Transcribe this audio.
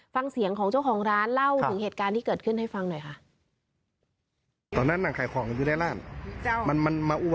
ฟังเสียงของเจ้าของร้านเล่าถึงเหตุการณ์ที่เกิดขึ้นให้ฟังหน่อยค่ะ